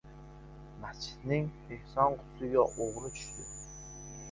Masjidning ehson qutisiga o‘g‘ri tushdi